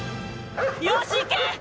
よし行け！